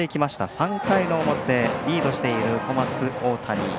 ３回の表、リードしている小松大谷。